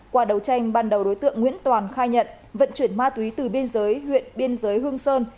qua đấu tranh ban đầu đối tượng nguyễn toàn khai nhận vận chuyển ma túy từ biên giới huyện biên giới hương sơn